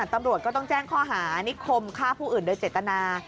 ตำรวจก็ต้องแจ้งข้อหานิคมฆ่าผู้อื่นโดยเจตนา